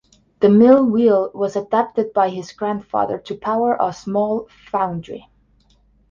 The mill-wheel was adapted by his grandfather to power a small foundry.